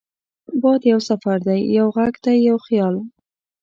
باد یو سفر دی، یو غږ دی، یو خیال